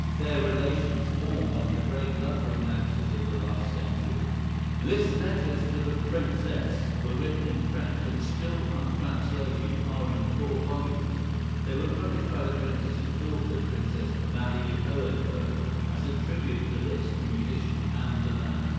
Their relations form one of the great love romances of the last century. [Illustration: Franz Liszt. Painting by Ary Scheffer.] Liszt's letters to the Princess, written in French and still untranslated, are in four volumes. They were published by the Princess's daughter, Princess Marie Hohenlohe, as a tribute to Liszt the musician and the man.